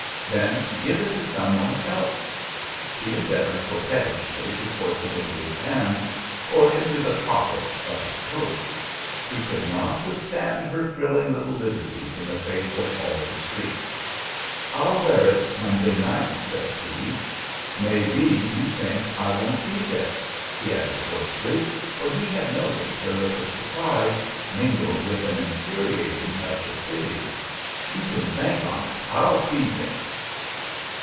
"Then give it to some one else." She endeavored coquettishly to force it into his hands, or into the pockets of his coat. He could not withstand her thrilling little liberties in the face of all the street. "I'll wear it Monday night," said he. "May be you think I won't be there?" he added hoarsely, for he had noted her look of surprise, mingled with an infuriating touch of pity. "You kin bank on it I'll be there."